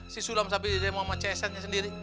si sulam sampai di demo sama cs nya sendiri